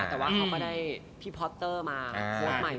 แต่ว่าเขาก็ได้พี่พอสเตอร์มาโพสต์ใหม่